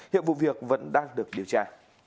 hiệu vụ việc vẫn đang được điều tra